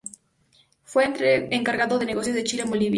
Fue encargado de negocios de Chile en Bolivia.